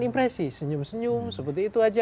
impresi senyum senyum seperti itu aja